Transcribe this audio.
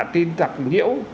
tin tạc nhiễu